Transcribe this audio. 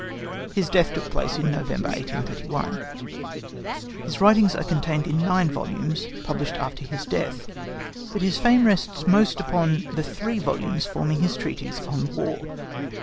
His death took place in November 1831. His writings are contained in nine volumes, published after his death, but his fame rests most upon the three volumes forming his treatise on "War."